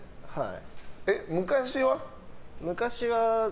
はい。